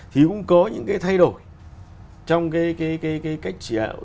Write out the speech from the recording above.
thì cũng có những cái thay đổi trong cái cách chỉ đạo